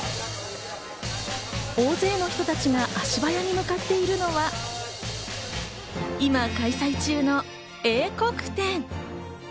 大勢の人たちが足早に向かっているのは今、開催中の英国展。